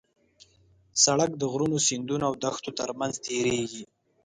سړک د غرونو، سیندونو او دښتو ترمنځ تېرېږي.